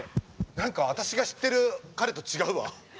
何か私が知ってる彼と違うわ！